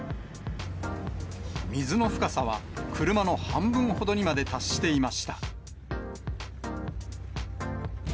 水の深さは車の半分ほどにまで達していました。